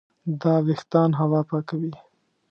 دا وېښتان هوا پاکوي.